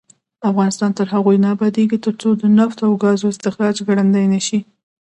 افغانستان تر هغو نه ابادیږي، ترڅو د نفتو او ګازو استخراج ګړندی نشي.